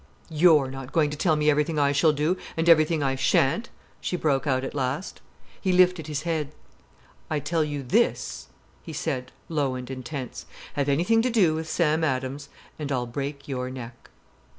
"You're not going to tell me everything I shall do, and everything I shan't," she broke out at last. He lifted his head. "I tell you this," he said, low and intense. "Have anything to do with Sam Adams, and I'll break your neck."